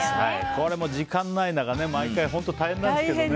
これも時間がない中毎回本当に大変なんですけどね。